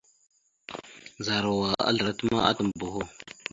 Ndzarawa azlərat ma atam boho.